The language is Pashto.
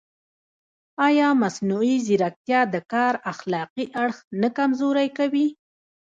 ایا مصنوعي ځیرکتیا د کار اخلاقي اړخ نه کمزوری کوي؟